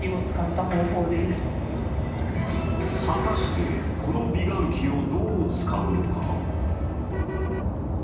果たして、この美顔器をどう使うのか？